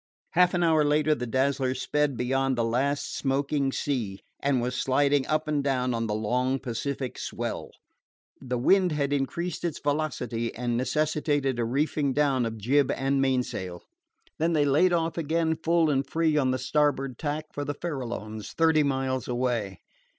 Half an hour later the Dazzler sped beyond the last smoking sea and was sliding up and down on the long Pacific swell. The wind had increased its velocity and necessitated a reefing down of jib and mainsail. Then they laid off again, full and free on the starboard tack, for the Farralones, thirty miles away.